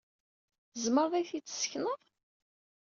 Tzemreḍ ad iyi-t-id-tessekneḍ?